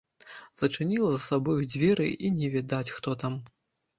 Зачыніла за сабою дзверы, і не відаць, хто там.